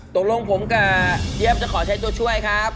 ตรงร่วมการกองจับว้าจะขอช้าตัวช่วย